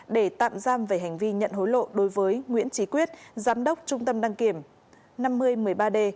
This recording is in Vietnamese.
để tạm giam về hành vi nhận hối lộ đối với nguyễn trí quyết giám đốc trung tâm đăng kiểm năm mươi một mươi ba d